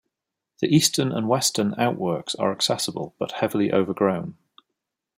The eastern and western outworks are accessible but heavily overgrown.